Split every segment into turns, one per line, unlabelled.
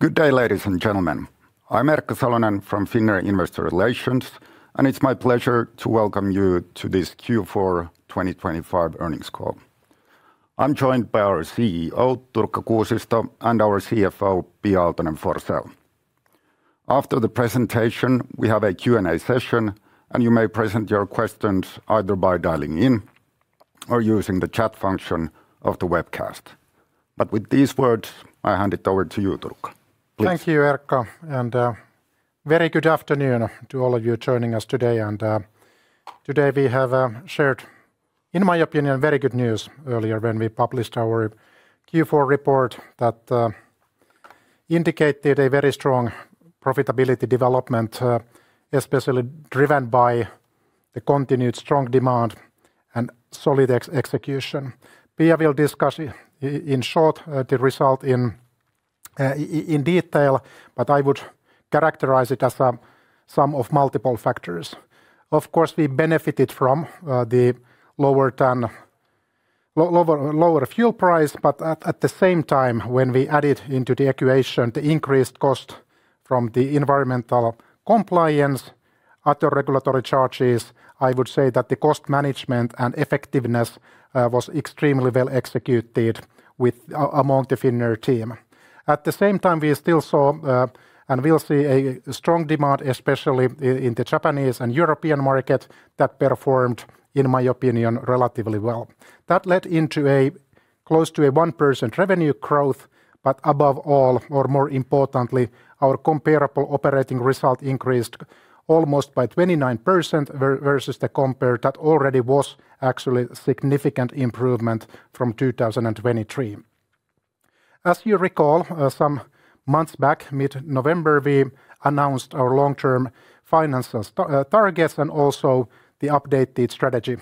Good day, ladies and gentlemen. I'm Erkka Salonen from Finnair Investor Relations, and it's my pleasure to welcome you to this Q4 2025 earnings call. I'm joined by our CEO, Turkka Kuusisto, and our CFO, Pia Aaltonen-Forsell. After the presentation, we have a Q&A session, and you may present your questions either by dialing in or using the chat function of the webcast. With these words, I hand it over to you, Turkka.
Thank you, Erkka, and very good afternoon to all of you joining us today. Today we have shared, in my opinion, very good news earlier when we published our Q4 report that indicated a very strong profitability development, especially driven by the continued strong demand and solid execution. Pia will discuss in short the result in detail, but I would characterize it as sum of multiple factors. Of course, we benefited from the lower fuel price, but at the same time, when we added into the equation, the increased cost from the environmental compliance, other regulatory charges, I would say that the cost management and effectiveness was extremely well executed among the Finnair team. At the same time, we still saw and we'll see a strong demand, especially in the Japanese and European market, that performed, in my opinion, relatively well. That led into a close to a 1% revenue growth, but above all, or more importantly, our comparable operating result increased almost by 29% versus the compare that already was actually a significant improvement from 2023. As you recall, some months back, mid-November, we announced our long-term financial targets and also the updated strategy,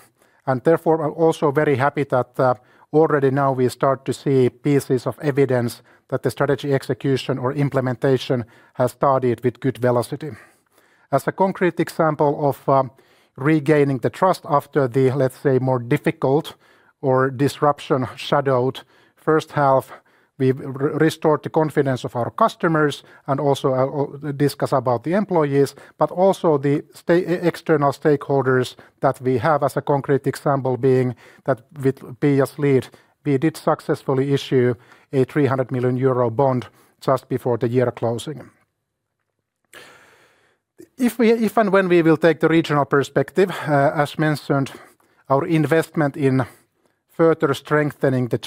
and therefore, I'm also very happy that already now we start to see pieces of evidence that the strategy execution or implementation has started with good velocity. As a concrete example of regaining the trust after the, let's say, more difficult or disruption-shadowed first half, we've restored the confidence of our customers and also discuss about the employees, but also the external stakeholders that we have as a concrete example, being that with Pia's lead, we did successfully issue a 300 million euro bond just before the year closing. If and when we will take the regional perspective, as mentioned, our investment in further strengthening the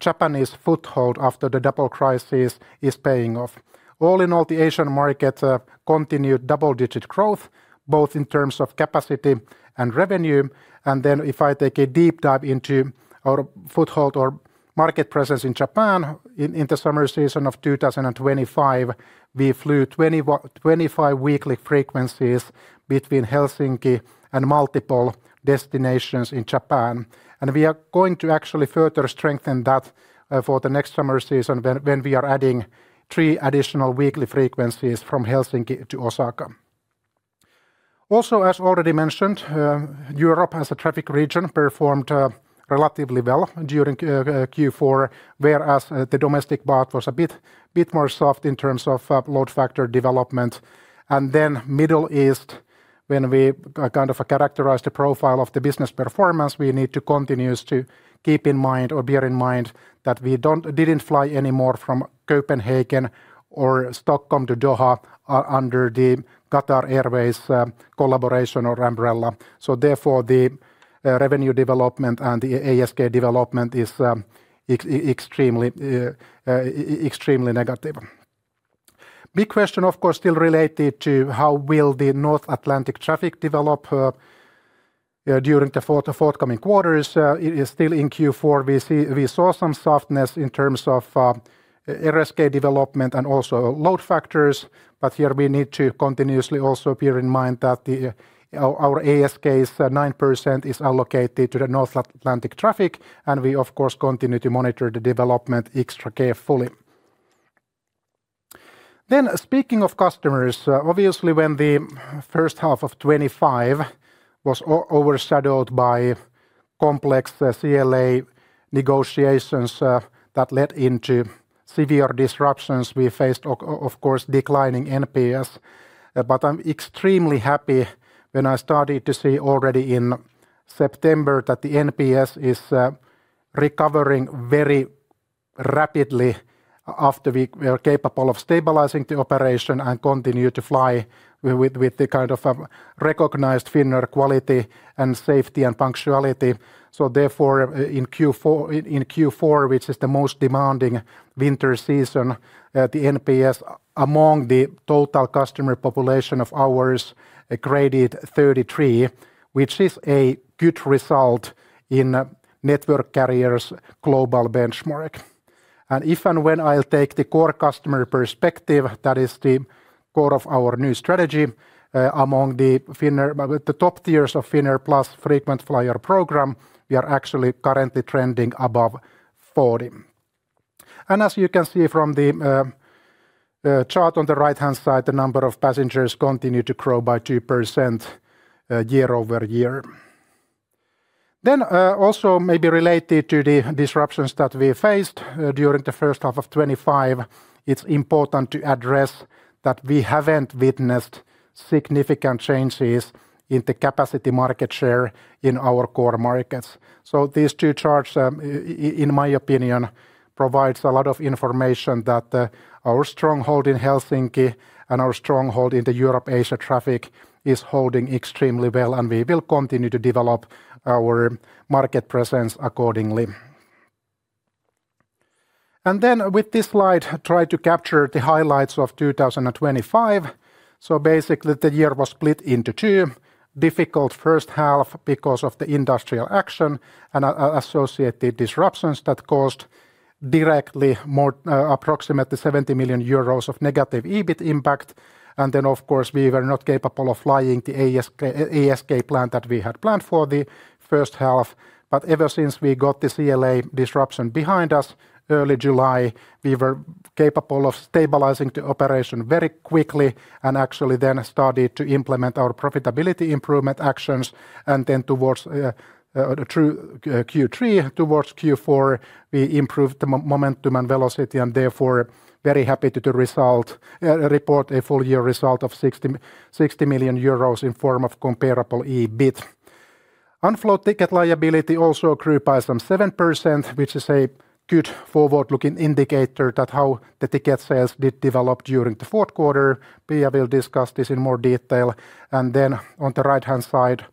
Japanese foothold after the double crisis is paying off. All in all, the Asian market continued double-digit growth, both in terms of capacity and revenue. And then if I take a deep dive into our foothold or market presence in Japan, in the summer season of 2025, we flew 25 weekly frequencies between Helsinki and multiple destinations in Japan. And we are going to actually further strengthen that for the next summer season, when we are adding 3 additional weekly frequencies from Helsinki to Osaka. Also, as already mentioned, Europe as a traffic region performed relatively well during Q4, whereas the domestic part was a bit more soft in terms of load factor development. And then Middle East, when we kind of characterize the profile of the business performance, we need to continue to keep in mind or bear in mind that we didn't fly anymore from Copenhagen or Stockholm to Doha under the Qatar Airways collaboration or umbrella. So therefore, the revenue development and the ASK development is extremely negative. Big question, of course, still related to how will the North Atlantic traffic develop during the forthcoming quarters? It is still in Q4, we saw some softness in terms of RASK development and also load factors, but here we need to continuously also bear in mind that our ASK is 9% allocated to the North Atlantic traffic, and we of course continue to monitor the development extra carefully. Speaking of customers, obviously, when the first half of 2025 was overshadowed by complex CLA negotiations, that led into severe disruptions, we faced, of course, declining NPS. But I'm extremely happy when I started to see already in September that the NPS is recovering very rapidly after we are capable of stabilizing the operation and continue to fly with the kind of recognized Finnair quality and safety, and punctuality. So therefore, in Q4, which is the most demanding winter season, the NPS among the total customer population of ours graded 33, which is a good result in network carriers' global benchmark. If and when I take the core customer perspective, that is the core of our new strategy, among the Finnair with the top tiers of Finnair Plus frequent flyer program, we are actually currently trending above 40. And as you can see from the chart on the right-hand side, the number of passengers continued to grow by 2%, YoY. Then also maybe related to the disruptions that we faced during the first half of 2025, it's important to address that we haven't witnessed significant changes in the capacity market share in our core markets. So these two charts, in my opinion, provide a lot of information that our stronghold in Helsinki and our stronghold in the Europe-Asia traffic is holding extremely well, and we will continue to develop our market presence accordingly. And then with this slide, try to capture the highlights of 2025. So basically, the year was split into two. Difficult first half because of the industrial action and associated disruptions that caused directly more, approximately 70 million euros of negative EBIT impact. And then, of course, we were not capable of flying the ASK plan that we had planned for the first half. But ever since we got this CLA disruption behind us, early July, we were capable of stabilizing the operation very quickly, and actually then started to implement our profitability improvement actions. And then towards through Q3 towards Q4, we improved the momentum and velocity, and therefore, very happy to the result, report a full-year result of 60 million euros in form of comparable EBIT. Unflown ticket liability also grew by some 7%, which is a good forward-looking indicator that how the ticket sales did develop during the fourth quarter. Pia will discuss this in more detail. Then on the right-hand side,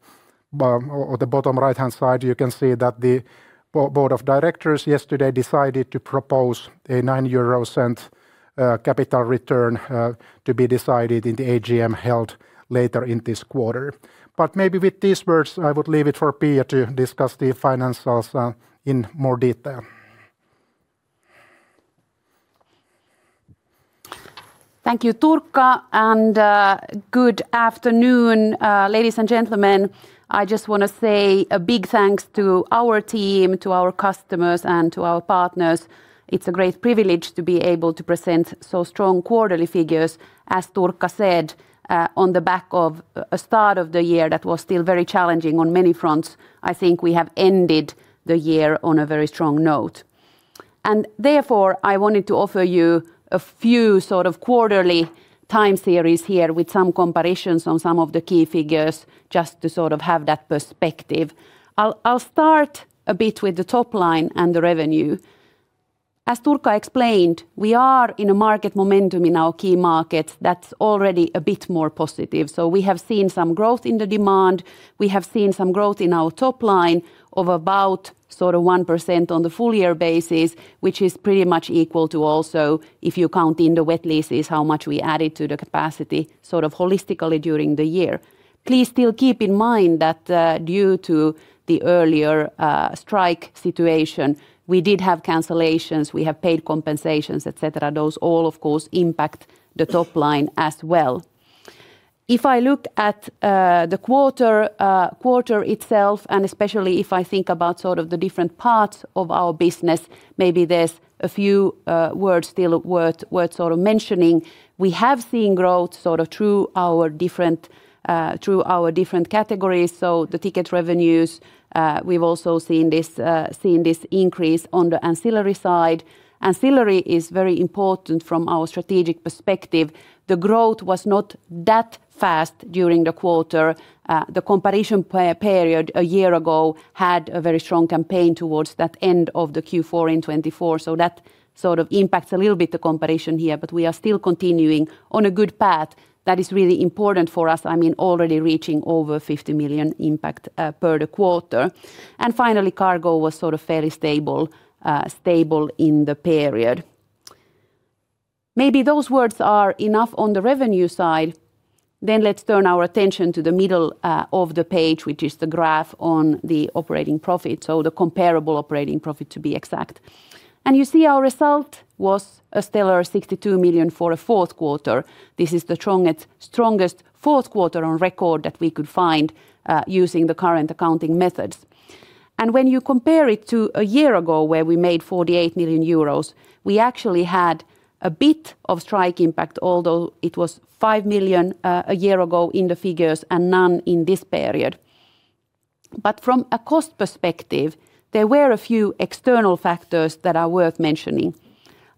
or the bottom right-hand side, you can see that the Board of Directors yesterday decided to propose a 0.09 capital return to be decided in the AGM held later in this quarter. But maybe with these words, I would leave it for Pia to discuss the financials in more detail.
Thank you, Turkka, and good afternoon, ladies and gentlemen. I just wanna say a big thanks to our team, to our customers, and to our partners. It's a great privilege to be able to present so strong quarterly figures. As Turkka said, on the back of a start of the year that was still very challenging on many fronts, I think we have ended the year on a very strong note. And therefore, I wanted to offer you a few sort of quarterly time series here with some comparisons on some of the key figures, just to sort of have that perspective. I'll start a bit with the top line and the revenue. As Turkka explained, we are in a market momentum in our key markets that's already a bit more positive. So we have seen some growth in the demand. We have seen some growth in our top line of about sort of 1% on the full-year basis, which is pretty much equal to also, if you count in the wet leases, how much we added to the capacity, sort of holistically during the year. Please still keep in mind that, due to the earlier strike situation, we did have cancellations, we have paid compensations, et cetera. Those all, of course, impact the top line as well. If I look at the quarter, quarter itself, and especially if I think about sort of the different parts of our business, maybe there's a few words still worth, worth sort of mentioning. We have seen growth sort of through our different through our different categories, so the ticket revenues. We've also seen this seen this increase on the ancillary side. Ancillary is very important from our strategic perspective. The growth was not that fast during the quarter. The comparison per-period a year ago had a very strong campaign towards that end of the Q4 in 2024, so that sort of impacts a little bit the comparison here, but we are still continuing on a good path. That is really important for us, I mean, already reaching over 50 million impact per the quarter. And finally, cargo was sort of fairly stable, stable in the period. Maybe those words are enough on the revenue side. Then let's turn our attention to the middle of the page, which is the graph on the operating profit, so the comparable operating profit, to be exact. And you see our result was a stellar 62 million for a fourth quarter. This is the strongest, strongest fourth quarter on record that we could find, using the current accounting methods. When you compare it to a year ago, where we made 48 million euros, we actually had a bit of strike impact, although it was 5 million a year ago in the figures and none in this period. From a cost perspective, there were a few external factors that are worth mentioning.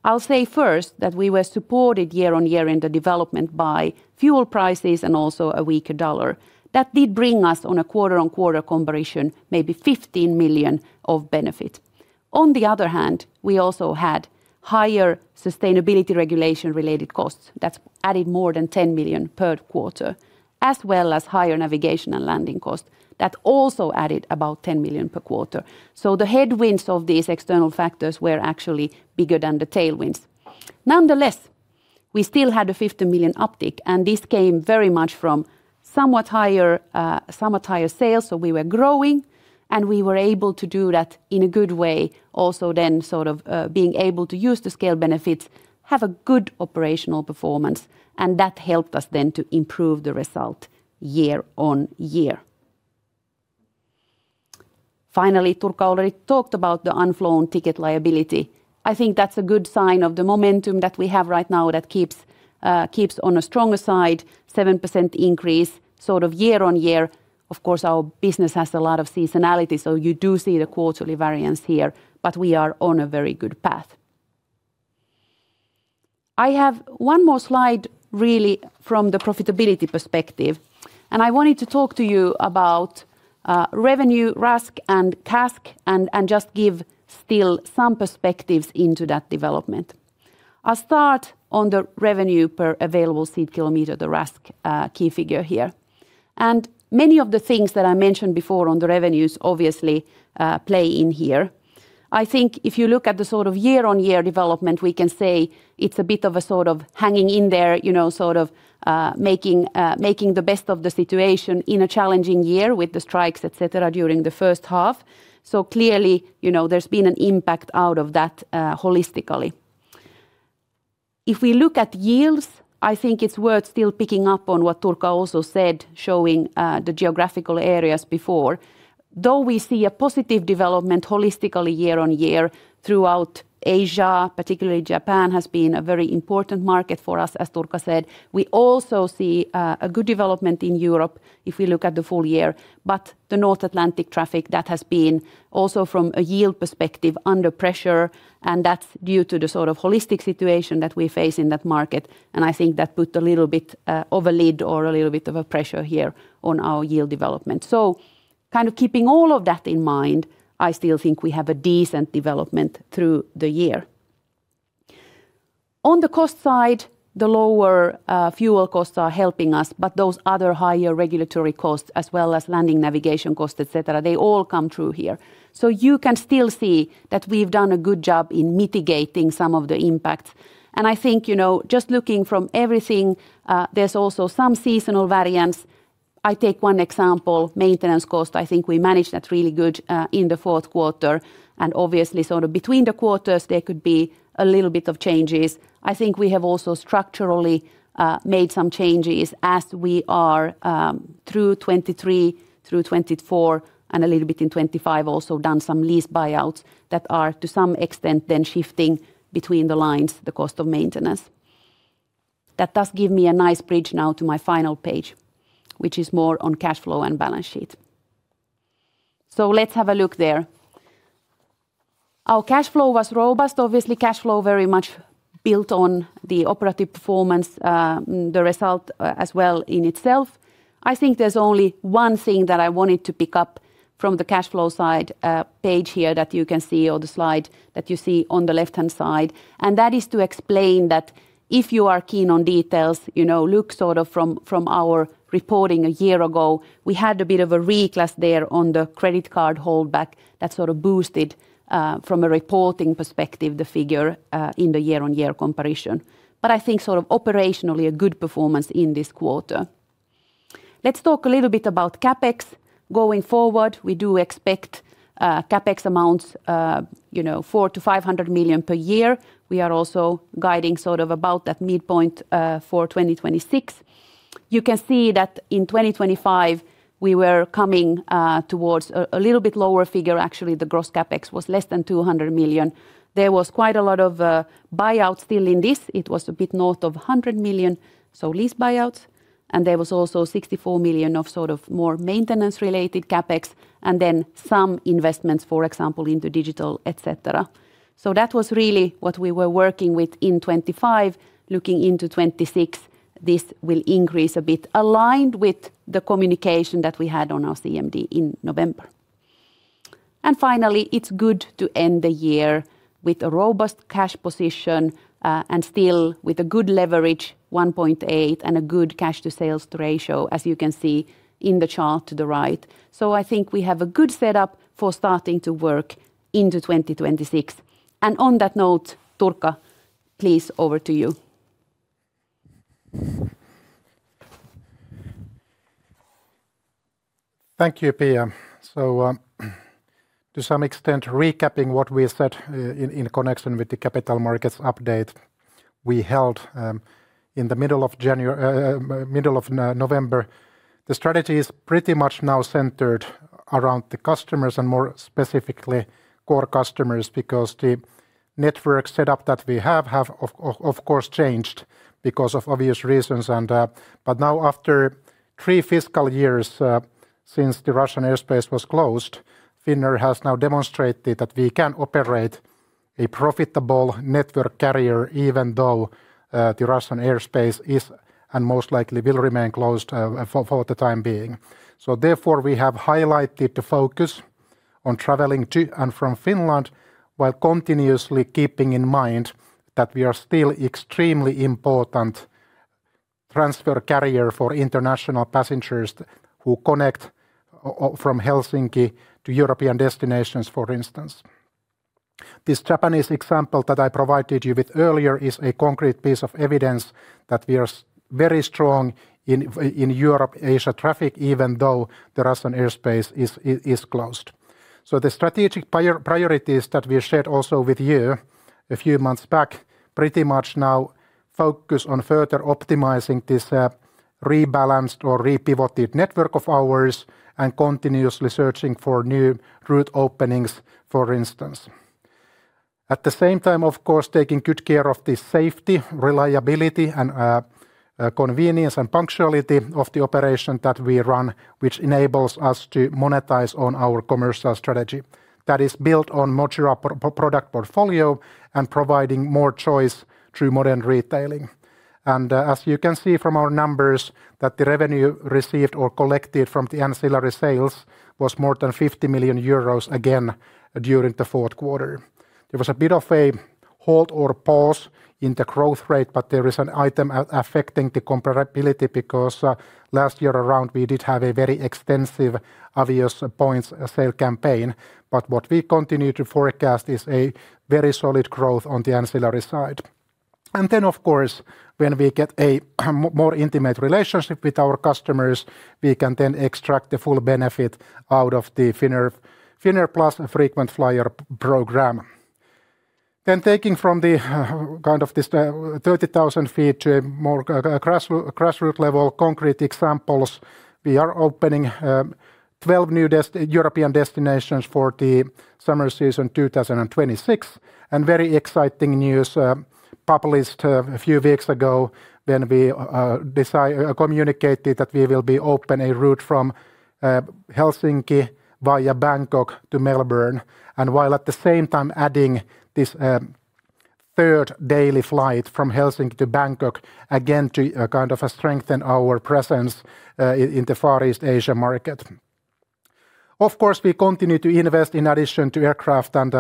I'll say first that we were supported year-on-year in the development by fuel prices and also a weaker dollar. That did bring us on a quarter-on-quarter comparison, maybe 15 million of benefit. On the other hand, we also had higher sustainability regulation-related costs. That's added more than 10 million per quarter, as well as higher navigation and landing costs. That also added about 10 million per quarter. So the headwinds of these external factors were actually bigger than the tailwinds. Nonetheless, we still had a 50 million uptick, and this came very much from somewhat higher, somewhat higher sales, so we were growing, and we were able to do that in a good way. Also, then, sort of, being able to use the scale benefits, have a good operational performance, and that helped us then to improve the result year-on-year. Finally, Turkka already talked about the unflown ticket liability. I think that's a good sign of the momentum that we have right now that keeps on a stronger side, 7% increase, sort of year-on-year. Of course, our business has a lot of seasonality, so you do see the quarterly variance here, but we are on a very good path. I have one more slide really from the profitability perspective, and I wanted to talk to you about revenue, RASK, and CASK, and just give still some perspectives into that development. I'll start on the revenue per available seat kilometer, the RASK key figure here. Many of the things that I mentioned before on the revenues obviously play in here. I think if you look at the sort of year-on-year development, we can say it's a bit of a sort of hanging in there, you know, sort of making the best of the situation in a challenging year with the strikes, et cetera, during the first half. So clearly, you know, there's been an impact out of that holistically. If we look at yields, I think it's worth still picking up on what Turkka also said, showing the geographical areas before. Though we see a positive development holistically year on year throughout Asia, particularly Japan has been a very important market for us, as Turkka said. We also see a good development in Europe if we look at the full year. But the North Atlantic traffic, that has been also from a yield perspective, under pressure, and that's due to the sort of holistic situation that we face in that market, and I think that put a little bit of a lid or a little bit of a pressure here on our yield development. So kind of keeping all of that in mind, I still think we have a decent development through the year. On the cost side, the lower fuel costs are helping us, but those other higher regulatory costs, as well as landing navigation costs, et cetera, they all come through here. So you can still see that we've done a good job in mitigating some of the impacts. And I think, you know, just looking from everything, there's also some seasonal variance. I take one example, maintenance cost. I think we managed that really good in the fourth quarter, and obviously sort of between the quarters there could be a little bit of changes. I think we have also structurally made some changes as we are through 2023, through 2024, and a little bit in 2025, also done some lease buyouts that are to some extent then shifting between the lines, the cost of maintenance. That does give me a nice bridge now to my final page, which is more on cash flow and balance sheet. So let's have a look there. Our cash flow was robust. Obviously, cash flow very much built on the operative performance, the result, as well in itself. I think there's only one thing that I wanted to pick up from the cash flow side, page here that you can see, or the slide that you see on the left-hand side, and that is to explain that if you are keen on details, you know, look sort of from, from our reporting a year ago, we had a bit of a reclass there on the credit card holdback that sort of boosted, from a reporting perspective, the figure, in the year-on-year comparison. But I think sort of operationally, a good performance in this quarter. Let's talk a little bit about CapEx. Going forward, we do expect CapEx amounts, you know, 400 million-500 million per year. We are also guiding sort of about that midpoint for 2026. You can see that in 2025, we were coming towards a little bit lower figure. Actually, the gross CapEx was less than 200 million. There was quite a lot of buyouts still in this. It was a bit north of 100 million, so lease buyouts, and there was also 64 million of sort of more maintenance-related CapEx, and then some investments, for example, into digital, et cetera. So that was really what we were working with in 2025. Looking into 2026, this will increase a bit, aligned with the communication that we had on our CMD in November. And finally, it's good to end the year with a robust cash position, and still with a good leverage, 1.8, and a good cash to sales ratio, as you can see in the chart to the right. So I think we have a good setup for starting to work into 2026. And on that note, Turkka, please, over to you.
Thank you, Pia. So, to some extent, recapping what we said in connection with the Capital Markets Update we held in the middle of November, the strategy is pretty much now centered around the customers and more specifically, core customers, because the network setup that we have, of course, changed because of obvious reasons. But now after three fiscal years since the Russian airspace was closed, Finnair has now demonstrated that we can operate a profitable network carrier, even though the Russian airspace is, and most likely will remain closed, for the time being. So therefore, we have highlighted the focus on traveling to and from Finland, while continuously keeping in mind that we are still extremely important transfer carrier for international passengers who connect from Helsinki to European destinations, for instance. This Japanese example that I provided you with earlier is a concrete piece of evidence that we are very strong in Europe, Asia traffic, even though the Russian airspace is closed. So the strategic priorities that we shared also with you a few months back pretty much now focus on further optimizing this rebalanced or repivoted network of ours and continuously searching for new route openings, for instance. At the same time, of course, taking good care of the safety, reliability, and convenience and punctuality of the operation that we run, which enables us to monetize on our commercial strategy. That is built on modular product portfolio and providing more choice through modern retailing. And, as you can see from our numbers, that the revenue received or collected from the ancillary sales was more than 50 million euros again during the fourth quarter. There was a bit of a halt or pause in the growth rate, but there is an item out affecting the comparability because, last year around, we did have a very extensive Avios points sale campaign. But what we continue to forecast is a very solid growth on the ancillary side. And then, of course, when we get a more intimate relationship with our customers, we can then extract the full benefit out of the Finnair, Finnair Plus frequent flyer program. Then taking from the, kind of this, 30,000 feet to a more, grassroots level, concrete examples, we are opening 12 new European destinations for the summer season 2026. And very exciting news, published a few weeks ago, when we communicated that we will be open a route from Helsinki via Bangkok to Melbourne, and while at the same time adding this third daily flight from Helsinki to Bangkok, again, to kind of strengthen our presence in the Far East Asia market. Of course, we continue to invest in addition to aircraft and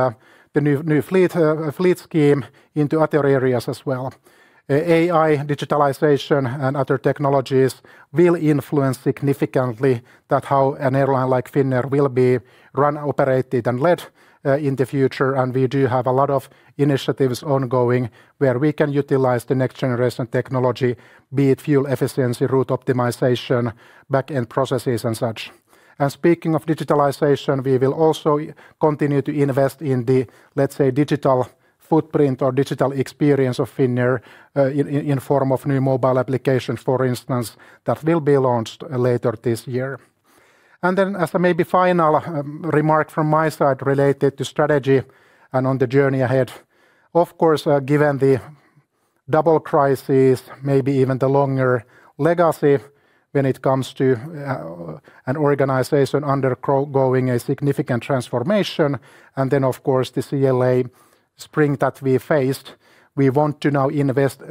the new fleet scheme into other areas as well. AI, digitalization, and other technologies will influence significantly that how an airline like Finnair will be run, operated, and led in the future. We do have a lot of initiatives ongoing, where we can utilize the next generation technology, be it fuel efficiency, route optimization, back-end processes, and such. Speaking of digitalization, we will also continue to invest in the, let's say, digital footprint or digital experience of Finnair, in form of new mobile application, for instance, that will be launched later this year. Then as a maybe final remark from my side related to strategy and on the journey ahead, of course, given the double crisis, maybe even the longer legacy when it comes to an organization undergoing a significant transformation, and then, of course, the CLA spring that we faced, we want to now invest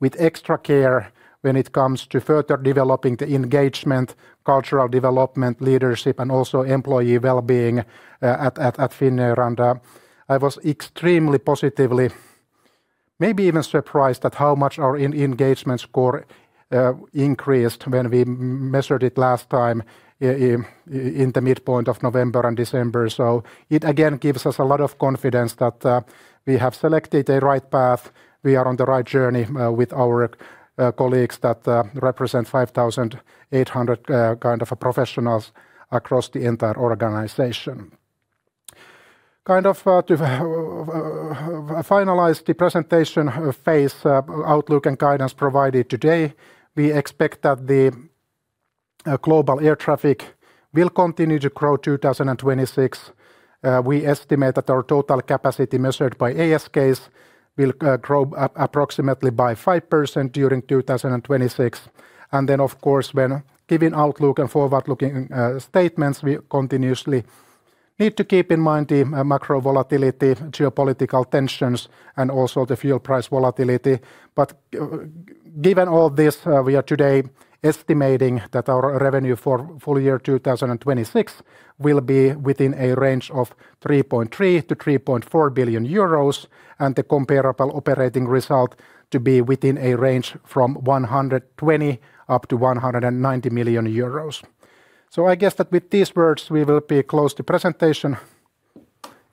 with extra care when it comes to further developing the engagement, cultural development, leadership, and also employee well-being at Finnair. I was extremely positively, maybe even surprised at how much our engagement score increased when we measured it last time in the midpoint of November and December. So it again gives us a lot of confidence that we have selected the right path. We are on the right journey with our colleagues that represent 5,800 kind of professionals across the entire organization. Kind of, to finalize the presentation phase, outlook and guidance provided today, we expect that the global air traffic will continue to grow 2026. We estimate that our total capacity, measured by ASKs, will grow up approximately by 5% during 2026. Then, of course, when giving outlook and forward-looking statements, we continuously need to keep in mind the macro volatility, geopolitical tensions, and also the fuel price volatility. Given all this, we are today estimating that our revenue for full year 2026 will be within a range of 3.3 billion-3.4 billion euros, and the comparable operating result to be within a range from 120 million up to 190 million euros. I guess that with these words, we will be close to presentation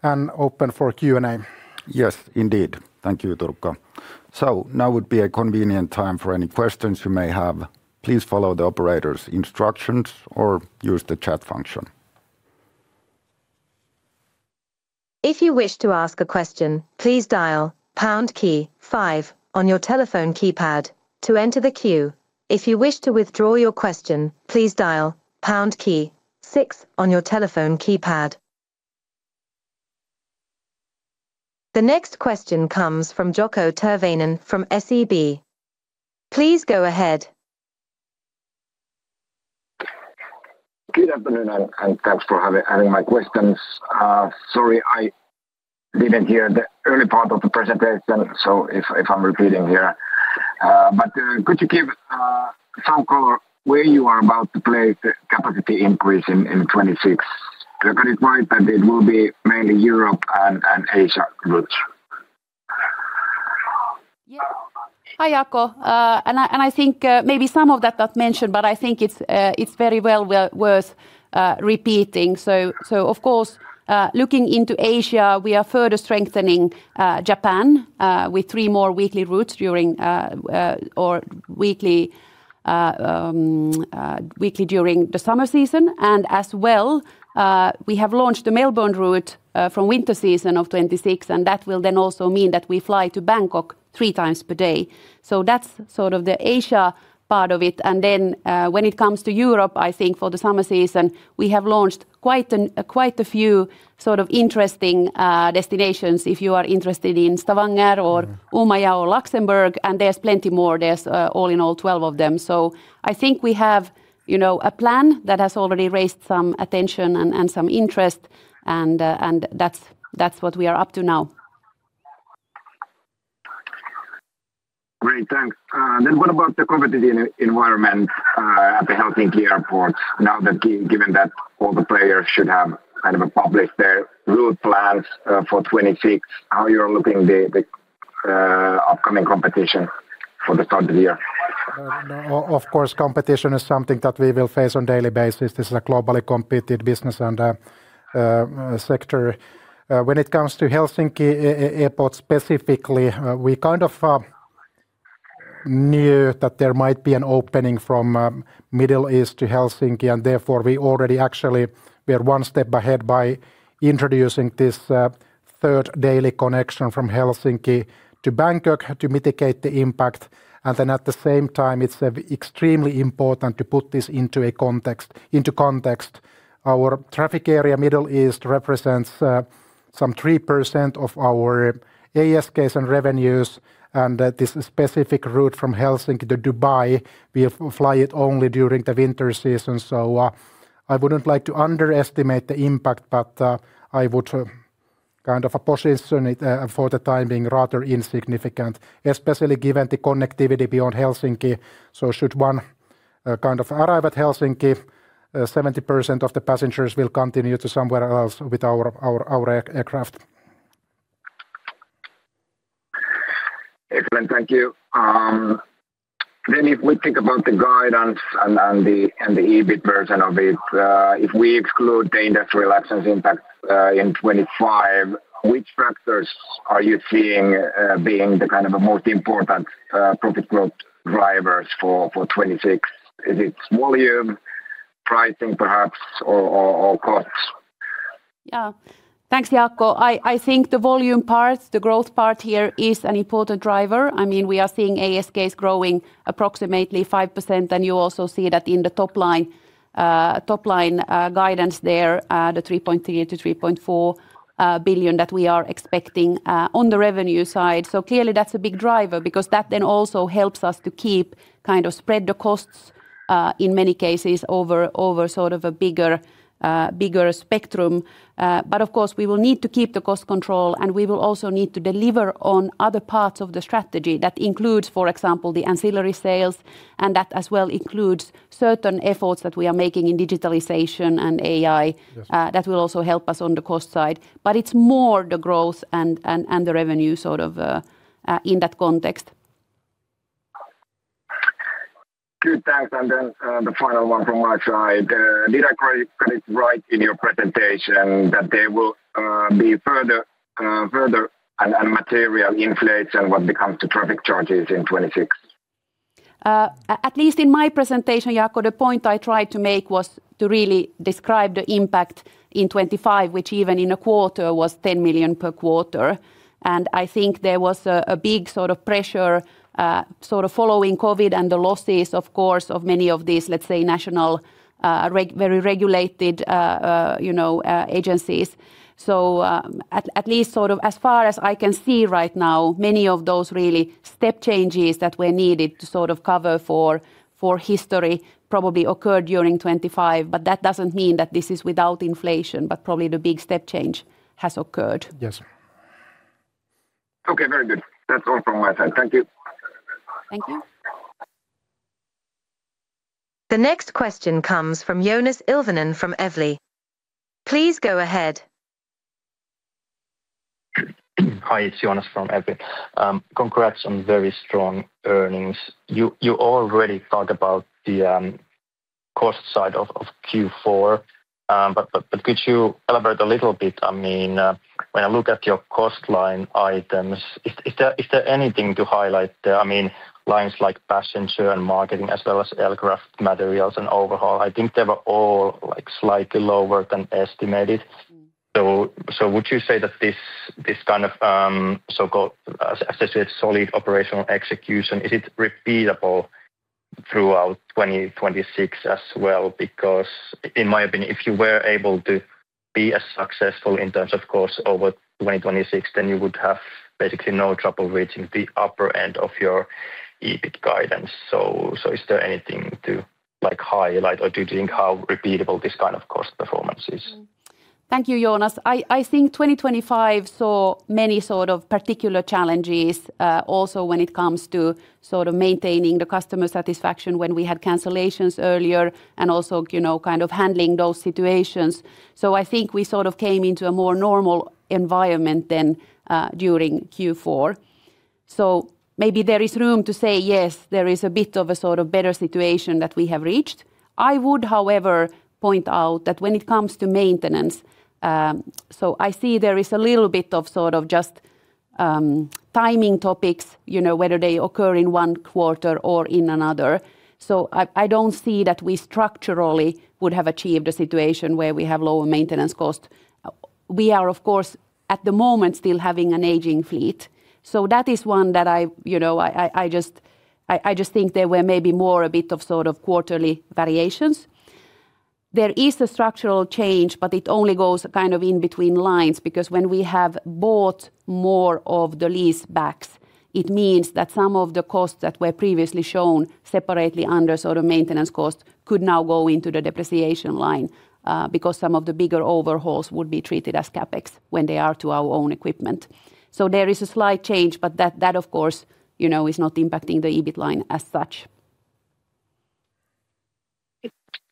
and open for Q&A.
Yes, indeed. Thank you, Turkka. So now would be a convenient time for any questions you may have. Please follow the operator's instructions or use the chat function.
If you wish to ask a question, please dial pound key five on your telephone keypad to enter the queue. If you wish to withdraw your question, please dial pound key six on your telephone keypad. The next question comes from Jaakko Tyrväinen from SEB. Please go ahead.
Good afternoon, and thanks for hearing my questions. Sorry, I didn't hear the early part of the presentation, so if I'm repeating here. But could you give some color where you are about to place the capacity increase in 2026? Correct me that it will be mainly Europe and Asia routes.
Yeah. Hi, Jaakko. And I think, maybe some of that got mentioned, but I think it's very well worth repeating. So, of course, looking into Asia, we are further strengthening Japan with three more weekly routes during the summer season. And as well, we have launched a Melbourne route from winter season of 2026, and that will then also mean that we fly to Bangkok three times per day. So that's sort of the Asia part of it. And then, when it comes to Europe, I think for the summer season, we have launched quite a few sort of interesting destinations, if you are interested in Stavanger or Umeå or Luxembourg, and there's plenty more. There's all in all, 12 of them. I think we have, you know, a plan that has already raised some attention and some interest, and that's what we are up to now.
Great. Thanks. Then what about the competitive environment at the Helsinki Airport now that, given that all the players should have kind of published their route plans for 2026, how are you looking at the upcoming competition for the current year?
Of course, competition is something that we will face on daily basis. This is a globally competed business and sector. When it comes to Helsinki Airport specifically, we kind of knew that there might be an opening from Middle East to Helsinki, and therefore, we already actually, we are one step ahead by introducing this third daily connection from Helsinki to Bangkok to mitigate the impact. And then at the same time, it's extremely important to put this into context. Our traffic area, Middle East, represents some 3% of our ASKs and revenues, and that this specific route from Helsinki to Dubai, we fly it only during the winter season. I wouldn't like to underestimate the impact, but I would kind of position it for the time being rather insignificant, especially given the connectivity beyond Helsinki. Should one kind of arrive at Helsinki, 70% of the passengers will continue to somewhere else with our aircraft.
Excellent. Thank you. Then if we think about the guidance and the EBIT version of it, if we exclude the industry actions impact in 2025, which factors are you seeing being the kind of the most important profit growth drivers for 2026? Is it volume, pricing perhaps, or costs?
Yeah. Thanks, Jaakko. I, I think the volume part, the growth part here is an important driver. I mean, we are seeing ASK growing approximately 5%, and you also see that in the top line, top line guidance there, the 3.3 billion-3.4 billion that we are expecting on the revenue side. So clearly, that's a big driver because that then also helps us to keep, kind of, spread the costs in many cases over, over sort of a bigger, bigger spectrum. But of course, we will need to keep the cost control, and we will also need to deliver on other parts of the strategy. That includes, for example, the ancillary sales, and that as well includes certain efforts that we are making in digitalization and AI. That will also help us on the cost side, but it's more the growth and the revenue sort of in that context.
Good, thanks. And then, the final one from my side. Did I get it, get it right in your presentation that there will be further, further and, and material inflation when it comes to traffic charges in 2026?
At least in my presentation, Jaakko, the point I tried to make was to really describe the impact in 2025, which even in a quarter was 10 million per quarter. And I think there was a big sort of pressure sort of following COVID and the losses, of course, of many of these, let's say, national very regulated you know agencies. So at least sort of as far as I can see right now, many of those really step changes that were needed to sort of cover for history probably occurred during 2025, but that doesn't mean that this is without inflation, but probably the big step change has occurred.
Yes.
Okay, very good. That's all from my side. Thank you.
Thank you.
The next question comes from Joonas Ilvonen from Evli. Please go ahead.
Hi, it's Joonas from Evli. Congrats on very strong earnings. You already talked about the cost side of Q4, but could you elaborate a little bit? I mean, when I look at your cost line items, is there anything to highlight there? I mean, lines like passenger and marketing, as well as aircraft materials and overhaul, I think they were all, like, slightly lower than estimated. So, would you say that this kind of so-called associated solid operational execution is repeatable throughout 2026 as well? Because in my opinion, if you were able to be as successful in terms of costs over 2026, then you would have basically no trouble reaching the upper end of your EBIT guidance. So, is there anything to, like, highlight, or do you think how repeatable this kind of cost performance is?
Thank you, Joonas. I think 2025 saw many sort of particular challenges, also when it comes to sort of maintaining the customer satisfaction when we had cancellations earlier and also, you know, kind of handling those situations. So I think we sort of came into a more normal environment than during Q4. So maybe there is room to say, yes, there is a bit of a sort of better situation that we have reached. I would, however, point out that when it comes to maintenance, so I see there is a little bit of, sort of timing topics, you know, whether they occur in one quarter or in another. So I don't see that we structurally would have achieved a situation where we have lower maintenance cost. We are, of course, at the moment, still having an aging fleet, so that is one that I, you know, just think there were maybe more a bit of sort of quarterly variations. There is a structural change, but it only goes kind of in between lines, because when we have bought more of the leasebacks, it means that some of the costs that were previously shown separately under sort of maintenance costs could now go into the depreciation line, because some of the bigger overhauls would be treated as CapEx when they are to our own equipment. So there is a slight change, but that, that, of course, you know, is not impacting the EBIT line as such.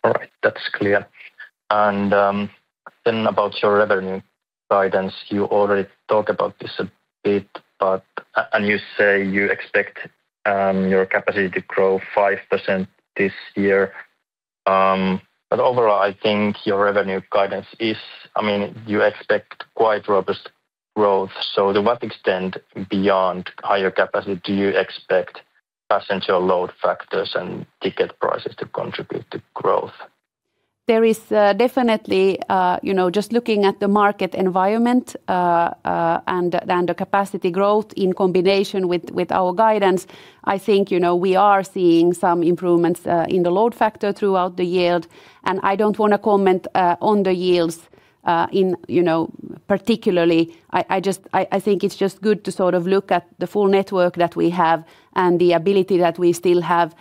All right. That's clear. And then about your revenue guidance, you already talked about this a bit, but and you say you expect your capacity to grow 5% this year. But overall, I think your revenue guidance is... I mean, you expect quite robust growth, so to what extent beyond higher capacity do you expect passenger load factors and ticket prices to contribute to growth?
There is definitely, you know, just looking at the market environment, and the capacity growth in combination with our guidance, I think, you know, we are seeing some improvements in the load factor throughout the year. And I don't wanna comment on the yields in, you know, particularly. I just think it's just good to sort of look at the full network that we have and the ability that we still have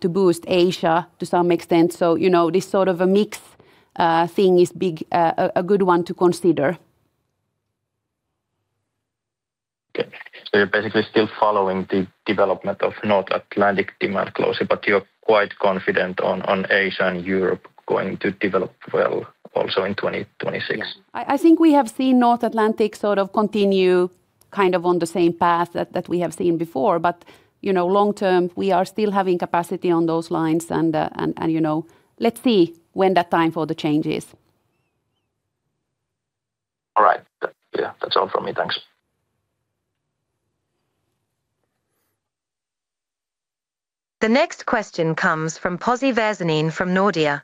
to boost Asia to some extent. So, you know, this sort of a mix thing is big, a good one to consider.
Okay. So you're basically still following the development of North Atlantic demand closely, but you're quite confident on Asia and Europe going to develop well also in 2026?
Yeah. I think we have seen North Atlantic sort of continue kind of on the same path that we have seen before, but, you know, long term, we are still having capacity on those lines and, you know, let's see when that time for the change is.
All right. Yeah, that's all from me. Thanks.
The next question comes from Pasi Väisänen from Nordea.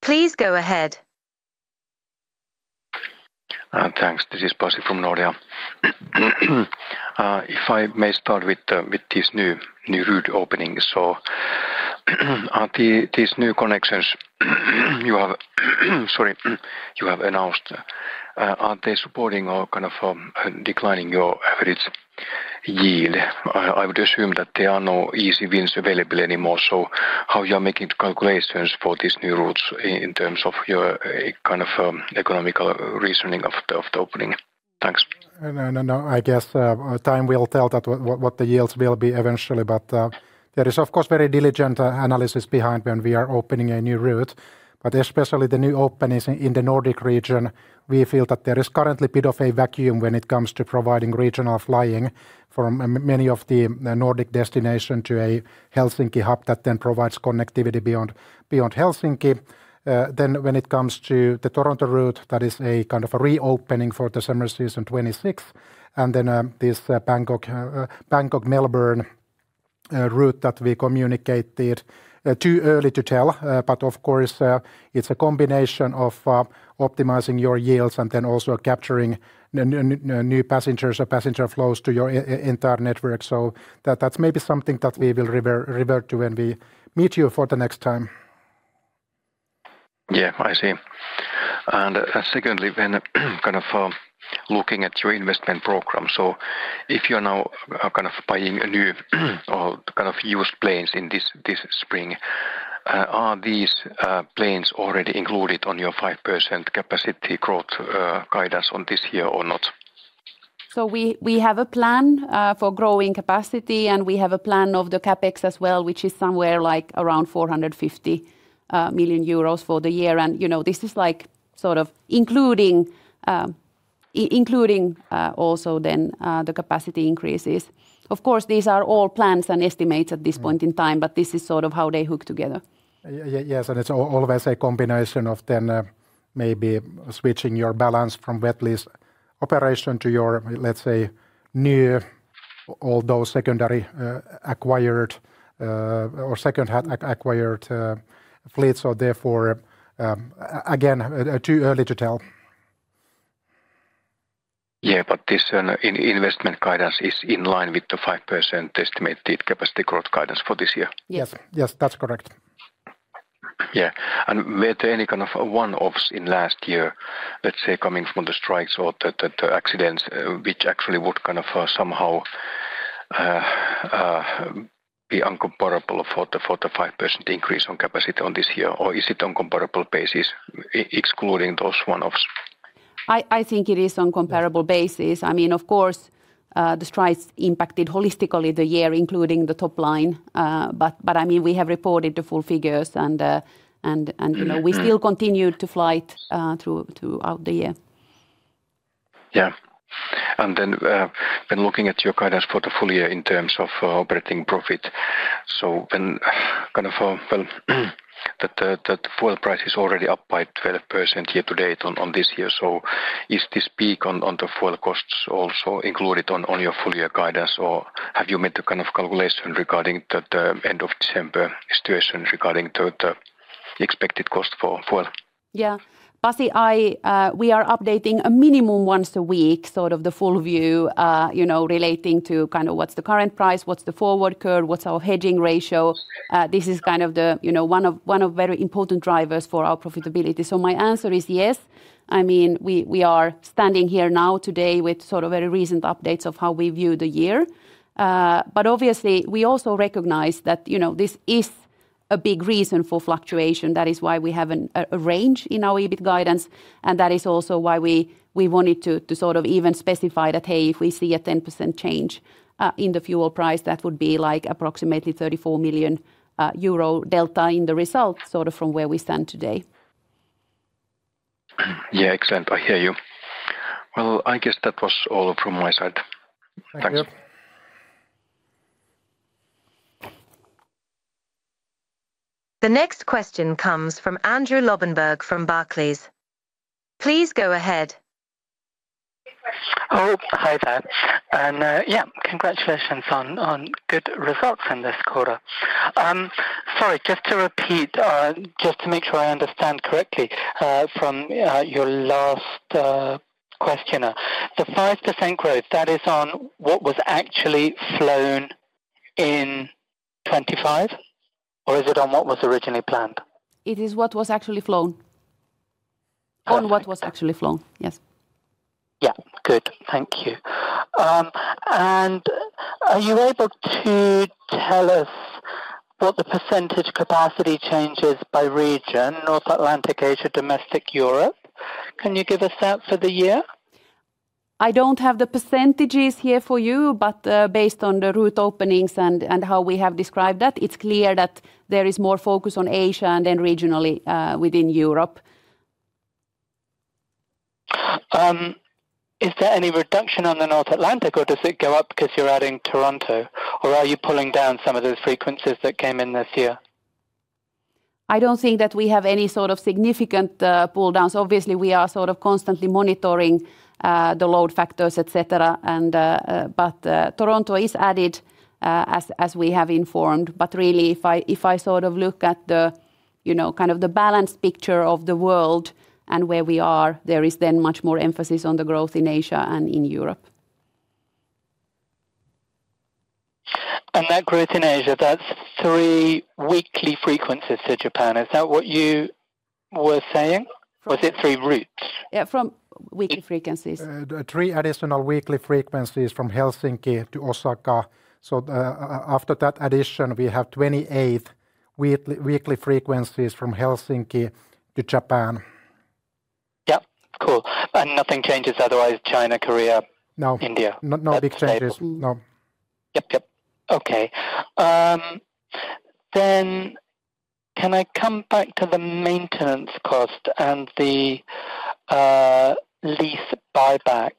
Please go ahead.
Thanks. This is Pasi from Nordea. If I may start with this new route openings, so are these new connections you have announced supporting or kind of declining your average yield? I would assume that there are no easy wins available anymore, so how are you making calculations for these new routes in terms of your kind of economical reasoning of the opening? Thanks.
No, no, no. I guess, time will tell that what the yields will be eventually, but, there is of course, very diligent, analysis behind when we are opening a new route. But especially the new openings in the Nordic region, we feel that there is currently a bit of a vacuum when it comes to providing regional flying from many of the Nordic destinations to a Helsinki hub that then provides connectivity beyond Helsinki. Then when it comes to the Toronto route, that is a kind of a reopening for the summer season 2026, and then, this, Bangkok-Melbourne, route that we communicated. Too early to tell, but of course, it's a combination of optimizing your yields and then also capturing the new passengers or passenger flows to your entire network. So that's maybe something that we will revert to when we meet you for the next time.
Yeah, I see. And secondly, when, kind of, looking at your investment program, so if you are now, kind of buying a new, or kind of used planes in this spring, are these planes already included on your 5% capacity growth guidance on this year or not?
So we have a plan for growing capacity, and we have a plan of the CapEx as well, which is somewhere like around 450 million euros for the year. And, you know, this is like sort of including also then the capacity increases. Of course, these are all plans and estimates at this point in time, but this is sort of how they hook together.
Yes, and it's always a combination, maybe switching your balance from Wet Lease operation to your, let's say, new, although secondary, acquired, or secondhand acquired, fleets. So therefore, again, too early to tell.
Yeah, but this investment guidance is in line with the 5% estimated capacity growth guidance for this year?
Yes.
Yes, that's correct.
Yeah. And were there any kind of one-offs in last year, let's say, coming from the strikes or the accidents, which actually would kind of somehow be incomparable for the 5% increase on capacity on this year, or is it on comparable basis, excluding those one-offs?
I think it is on comparable basis. I mean, of course, the strikes impacted holistically the year, including the top line. But I mean, we have reported the full figures, and you know, we still continued to fly throughout the year.
Yeah. And then, when looking at your guidance for the full year in terms of operating profit... So, kind of, well, the fuel price is already up by 12% year to date on this year. So is this peak on the fuel costs also included on your full year guidance, or have you made a kind of calculation regarding that end of December situation regarding the expected cost for fuel?
Yeah. Pasi, I, we are updating a minimum once a week, sort of the full view, you know, relating to kind of what's the current price, what's the forward curve, what's our hedging ratio. This is kind of the, you know, one of, one of very important drivers for our profitability. So my answer is yes. I mean, we, we are standing here now today with sort of very recent updates of how we view the year. But obviously, we also recognize that, you know, this is a big reason for fluctuation. That is why we have a range in our EBIT guidance, and that is also why we wanted to sort of even specify that, hey, if we see a 10% change in the fuel price, that would be, like, approximately 34 million euro delta in the results, sort of from where we stand today.
Yeah, excellent. I hear you. Well, I guess that was all from my side. Thanks.
Thank you.
The next question comes from Andrew Lobbenberg from Barclays. Please go ahead.
Oh, hi there. Yeah, congratulations on good results in this quarter. Sorry, just to repeat, just to make sure I understand correctly, from your last questioner. The 5% growth, that is on what was actually flown in 2025, or is it on what was originally planned?
It is what was actually flown.
Okay.
On what was actually flown, yes.
Yeah. Good, thank you. And are you able to tell us what the percentage capacity change is by region, North Atlantic, Asia, Domestic, Europe? Can you give us that for the year?
I don't have the percentages here for you, but based on the route openings and how we have described that, it's clear that there is more focus on Asia and then regionally within Europe.
Is there any reduction on the North Atlantic, or does it go up because you're adding Toronto, or are you pulling down some of those frequencies that came in this year?
I don't think that we have any sort of significant pull downs. Obviously, we are sort of constantly monitoring the load factors, et cetera. But Toronto is added, as we have informed. But really, if I, if I sort of look at the, you know, kind of the balanced picture of the world and where we are, there is then much more emphasis on the growth in Asia and in Europe.
That growth in Asia, that's three weekly frequencies to Japan. Is that what you were saying, or was it three routes?
Yeah, from weekly frequencies.
3 additional weekly frequencies from Helsinki to Osaka. So, after that addition, we have 28 weekly frequencies from Helsinki to Japan.
Yep, cool. Nothing changes otherwise, China, Korea-
No...
India?
No, no big changes.
That's stable.
No.
Yep, yep. Okay. Then can I come back to the maintenance cost and the lease buyback?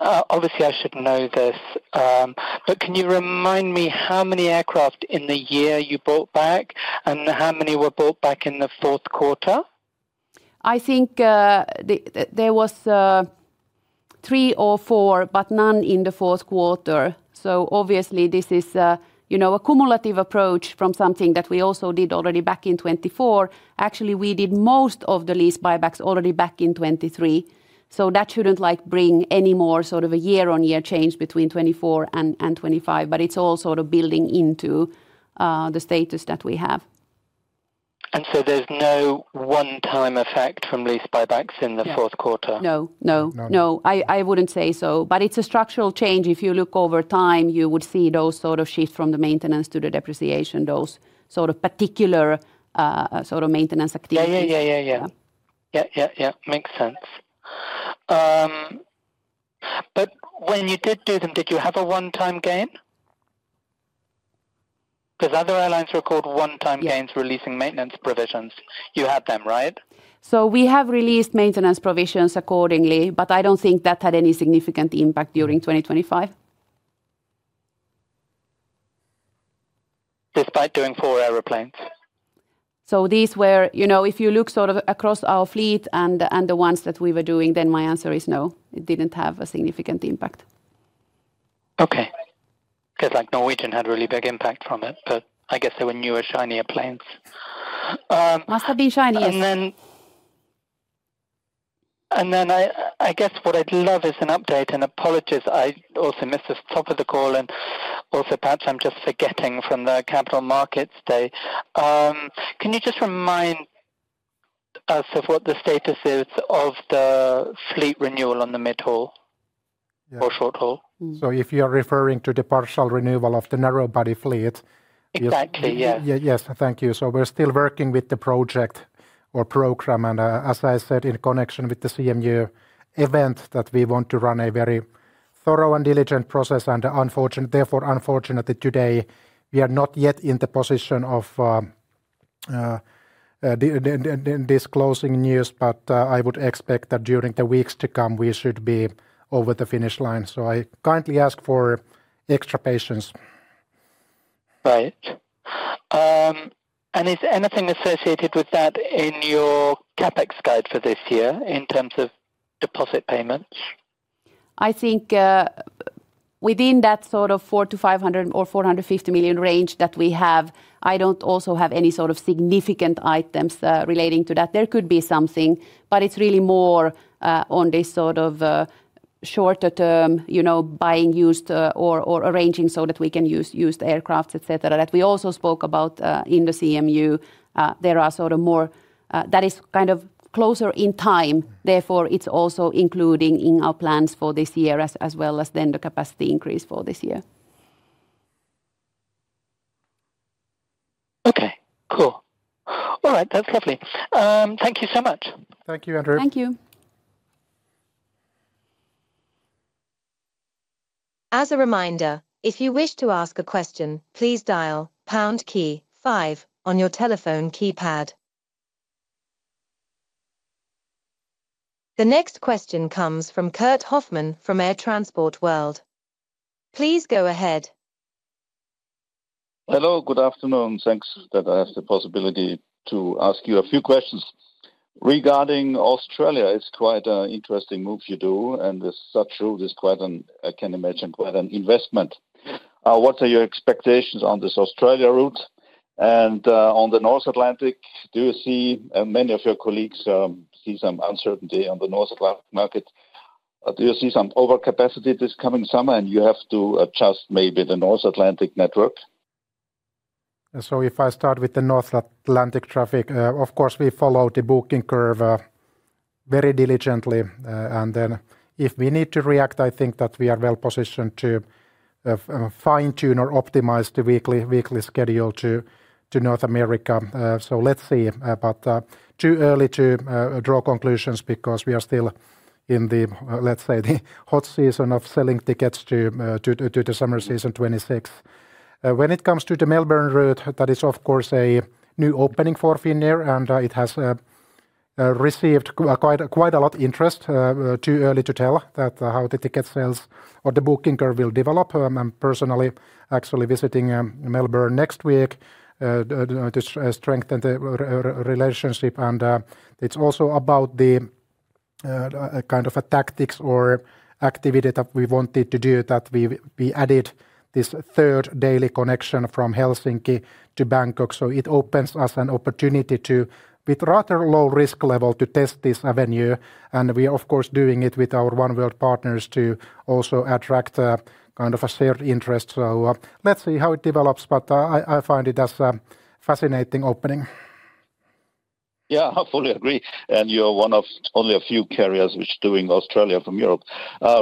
Obviously I should know this, but can you remind me how many aircraft in the year you bought back, and how many were bought back in the fourth quarter?
I think there was 3 or 4, but none in the fourth quarter. So obviously this is, you know, a cumulative approach from something that we also did already back in 2024. Actually, we did most of the lease buybacks already back in 2023, so that shouldn't, like, bring any more sort of a year-on-year change between 2024 and 2025, but it's all sort of building into the status that we have.
And so there's no one-time effect from lease buybacks in the fourth quarter?
No, no.
No.
No, I wouldn't say so, but it's a structural change. If you look over time, you would see those sort of shifts from the maintenance to the depreciation, those sort of particular, sort of maintenance activities.
Yeah. Yeah, yeah, yeah.
Yeah.
Yeah, yeah, yeah. Makes sense. But when you did do them, did you have a one-time gain? 'Cause other airlines recorded one-time gains releasing maintenance provisions. You had them, right?
We have released maintenance provisions accordingly, but I don't think that had any significant impact during 2025.
Despite doing 4 airplanes?
These were... You know, if you look sort of across our fleet and the ones that we were doing, then my answer is no, it didn't have a significant impact.
Okay. 'Cause, like, Norwegian had a really big impact from it, but I guess they were newer, shinier planes.
Must have been shinier....
And then, I guess what I'd love is an update, and apologies, I also missed the top of the call, and also perhaps I'm just forgetting from the Capital Markets Day. Can you just remind us of what the status is of the fleet renewal on the mid-haul or short haul?
If you are referring to the partial renewal of the narrow body fleet, yes.
Exactly, yeah.
Yeah, yes, thank you. So we're still working with the project or program, and, as I said, in connection with the CMU event, that we want to run a very thorough and diligent process, and therefore, unfortunately, today, we are not yet in the position of disclosing news, but, I would expect that during the weeks to come, we should be over the finish line. So I kindly ask for extra patience.
Right. Is anything associated with that in your CapEx guide for this year in terms of deposit payments?
I think, within that sort of 400 million-500 million or 450 million range that we have, I don't also have any sort of significant items relating to that. There could be something, but it's really more on this sort of shorter term, you know, buying used or arranging so that we can use used aircraft, et cetera, that we also spoke about in the CMU. There are sort of more. That is kind of closer in time, therefore, it's also including in our plans for this year as well as then the capacity increase for this year.
Okay, cool. All right, that's lovely. Thank you so much.
Thank you, Andrew.
Thank you.
As a reminder, if you wish to ask a question, please dial pound key five on your telephone keypad. The next question comes from Kurt Hofmann from Air Transport World. Please go ahead.
Hello, good afternoon. Thanks that I have the possibility to ask you a few questions. Regarding Australia, it's quite an interesting move you do, and this route is quite an, I can imagine, quite an investment. What are your expectations on this Australia route? And, on the North Atlantic, do you see... many of your colleagues see some uncertainty on the North Atlantic market. Do you see some overcapacity this coming summer, and you have to adjust maybe the North Atlantic network?
So if I start with the North Atlantic traffic, of course, we follow the booking curve very diligently. And then if we need to react, I think that we are well positioned to fine-tune or optimize the weekly schedule to North America. So let's see. But too early to draw conclusions because we are still in the, let's say, the hot season of selling tickets to the summer season 2026. When it comes to the Melbourne route, that is, of course, a new opening for Finnair, and it has received quite a lot interest. Too early to tell how the ticket sales or the booking curve will develop. I'm personally actually visiting Melbourne next week to strengthen the relationship. It's also about the kind of a tactics or activity that we wanted to do that we've added this third daily connection from Helsinki to Bangkok. It opens us an opportunity to, with rather low risk level, to test this avenue, and we are of course doing it with our oneworld partners to also attract kind of a shared interest. Let's see how it develops, but I find it as a fascinating opening.
Yeah, I fully agree, and you're one of only a few carriers which doing Australia from Europe.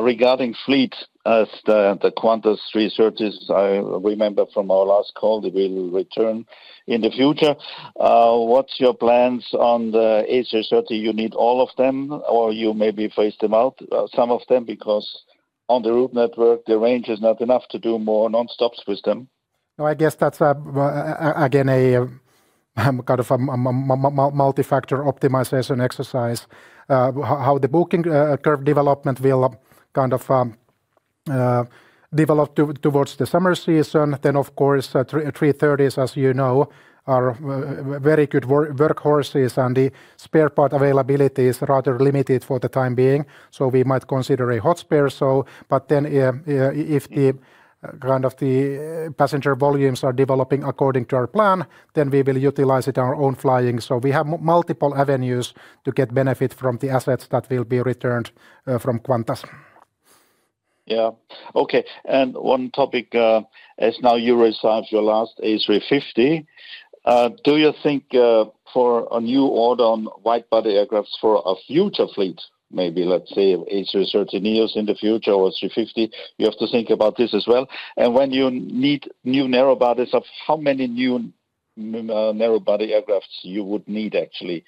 Regarding fleet, as the Qantas A330s, I remember from our last call, they will return in the future. What's your plans on the A330? You need all of them, or you maybe phase them out, some of them, because on the route network, the range is not enough to do more non-stops with them.
No, I guess that's again a kind of a multi-factor optimization exercise. How the booking curve development will kind of develop towards the summer season. Then, of course, three A330s, as you know, are very good workhorses, and the spare part availability is rather limited for the time being, so we might consider a hot spare, so... But then, if the kind of the passenger volumes are developing according to our plan, then we will utilize it in our own flying. So we have multiple avenues to get benefit from the assets that will be returned from Qantas.
Yeah. Okay, and one topic, as now you receive your last A350, do you think, for a new order on wide-body aircraft for a future fleet, maybe let's say A330neos in the future or A350, you have to think about this as well? And when you need new narrow bodies, of how many new, narrow-body aircraft you would need actually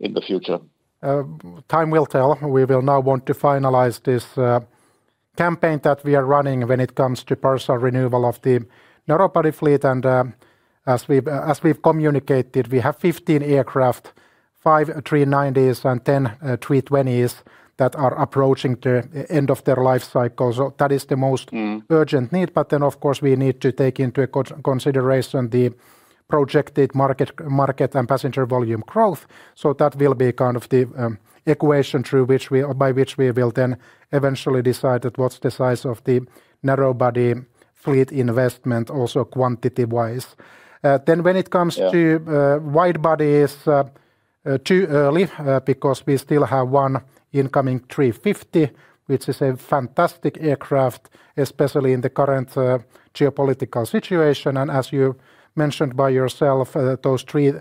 in the future?
Time will tell. We will now want to finalize this campaign that we are running when it comes to partial renewal of the narrow-body fleet. And, as we've communicated, we have 15 aircraft, 5 A319s and 10 A320s, that are approaching the end of their life cycle. So that is the most urgent need. But then, of course, we need to take into consideration the projected market and passenger volume growth. So that will be kind of the equation through which we... by which we will then eventually decide that what's the size of the narrow-body fleet investment, also quantity-wise. Then when it comes to wide-bodies, too early, because we still have one incoming A350, which is a fantastic aircraft, especially in the current, geopolitical situation. And as you mentioned by yourself, those three,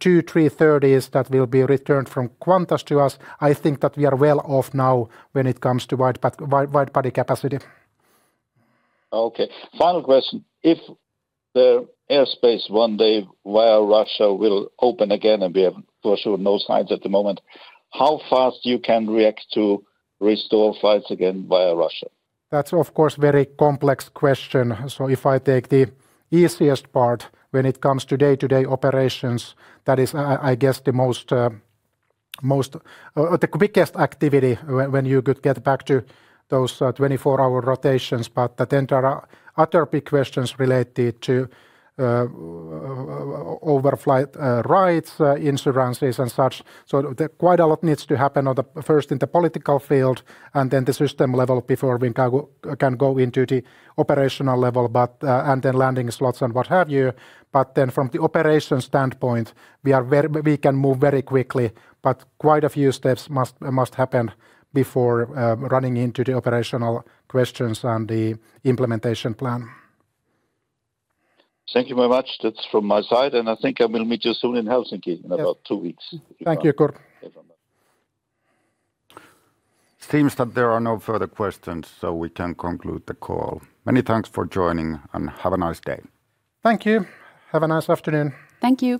two A330s that will be returned from Qantas to us, I think that we are well off now when it comes to wide, wide-body capacity.
Okay. Final question: If the airspace one day via Russia will open again, and we have for sure no signs at the moment, how fast you can react to restore flights again via Russia?
That's of course a very complex question. So if I take the easiest part, when it comes to day-to-day operations, that is, I guess the quickest activity when you could get back to those 24-hour rotations. But then there are other big questions related to overflight rights, insurances, and such. So there quite a lot needs to happen on the first in the political field, and then the system level before we can go into the operational level, but and then landing slots and what have you. But then from the operational standpoint, we can move very quickly, but quite a few steps must happen before running into the operational questions and the implementation plan.
Thank you very much. That's from my side, and I think I will meet you soon in Helsinki-
Yeah...
in about two weeks.
Thank you, Kurt.
Thanks very much.
It seems that there are no further questions, so we can conclude the call. Many thanks for joining, and have a nice day.
Thank you. Have a nice afternoon.
Thank you.